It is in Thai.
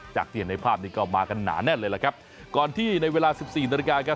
ที่เห็นในภาพนี้ก็มากันหนาแน่นเลยล่ะครับก่อนที่ในเวลาสิบสี่นาฬิกาครับ